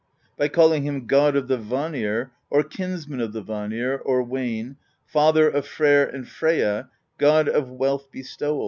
By calling him God of the Vanir, or Kinsman of the Vanir, or Wane, Father of Freyr and Freyja, God of Wealth Bestowal.